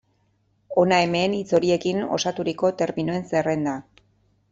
Hona hemen hitz horiekin osaturiko terminoen zerrenda.